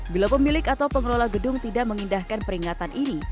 bila pemilik atau pengelola gedung tidak mengindahkan peringatan ini